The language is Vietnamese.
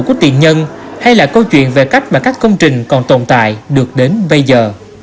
của tiền nhân hay là câu chuyện về cách mà các công trình còn tồn tại được đến bây giờ